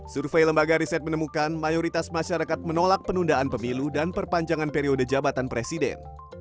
survei lembaga riset menemukan mayoritas masyarakat menolak penundaan pemilu dan perpanjangan periode jabatan presiden